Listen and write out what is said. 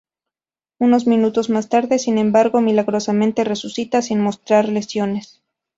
Unos minutos más tarde, sin embargo, milagrosamente resucita, sin mostrar lesiones.